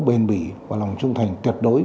bền bỉ và lòng trung thành tuyệt đối